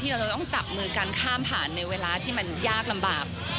เราจะต้องจับมือกันข้ามผ่านในเวลาที่มันยากลำบาก